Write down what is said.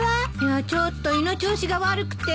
いやちょっと胃の調子が悪くて。